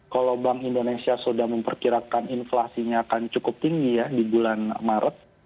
kalau bank indonesia sudah memperkirakan inflasinya akan cukup tinggi ya di bulan maret